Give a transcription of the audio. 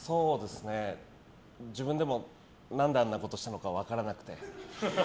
自分でも何であんなことしたのか分からなくて。